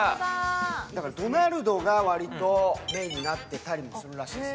だから、ドナルドが割とメーンになってたりもするらしいです。